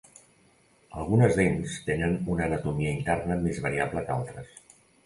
Algunes dents tenen una anatomia interna més variable que altres.